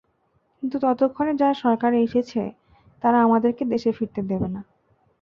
কিন্তু ততক্ষণে যারা সরকারে এসেছে, তারা আমাদেরকে দেশে ফিরতে দেবে না।